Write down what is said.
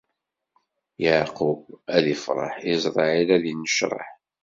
Yeɛqub ad ifreḥ; Isṛayil ad innecreḥ.